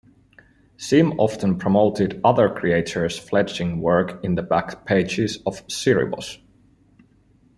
Sim often promoted other creators' fledgling work in the back pages of "Cerebus".